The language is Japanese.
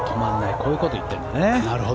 こういうことを言ってるんだね。